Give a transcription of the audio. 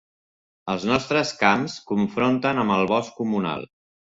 Els nostres camps confronten amb el bosc comunal.